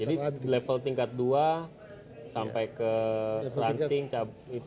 jadi level tingkat dua sampai ke ranting cabut